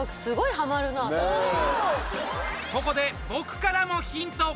ここで僕からもヒント。